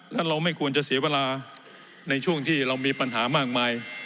และเราไม่ควรจะเสียเวลาในช่วงที่เรามีปัญหามากมาย